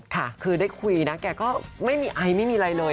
ค่ะคือได้คุยนะแกก็ไม่มีไอไม่มีอะไรเลย